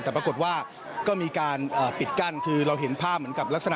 แต่ปรากฏว่าก็มีการปิดกั้นคือเราเห็นภาพเหมือนกับลักษณะ